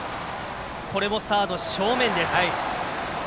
これもサード正面です。